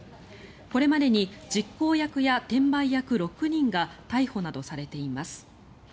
これまでに実行役や転売役６人が逮捕などされています。